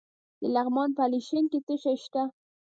د لغمان په علیشنګ کې څه شی شته؟